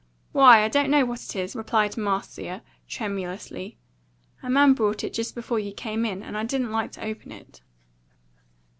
"Why, I don't know what it is," replied Marcia tremulously. "A man brought it just before you came in, and I didn't like to open it."